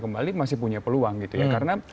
kembali masih punya peluang karena